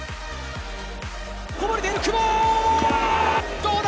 こぼれている、久保、どうだ？